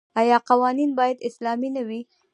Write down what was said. آیا قوانین باید اسلامي نه وي؟